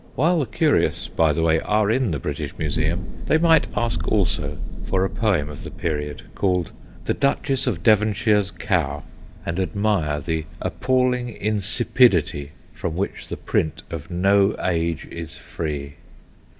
While the curious, by the way, are in the British Museum, they might ask also for a poem of the period, called ' The Duchess of Devonshire's Cow/ and admire the appalling insipidity from which the print of no age is free.